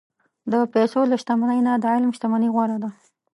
د پیسو له شتمنۍ نه، د علم شتمني غوره ده.